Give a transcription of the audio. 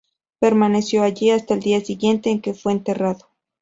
Permaneció allí hasta el día siguiente en que fue enterrado.